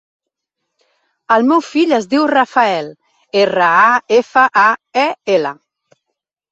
El meu fill es diu Rafael: erra, a, efa, a, e, ela.